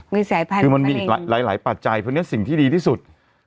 คือมันมีอีกหลายปัจจัยเพราะนี้สิ่งที่ดีที่สุด